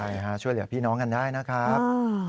ใช่ค่ะช่วยเหลือพี่น้องกันได้นะครับ